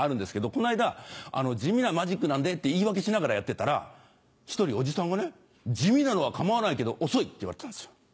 この間「地味なマジックなんで」って言い訳しながらやってたら１人おじさんがね「地味なのは構わないけど遅い」って言われたんですよ。